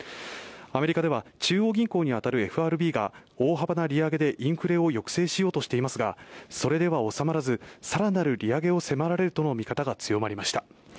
アメリカでは中央銀行に当たるＦＲＢが、大幅な利上げでインフレを抑制しようとしていますが、それでは収まらず更なる利上げを迫られるとの見方が強まりました。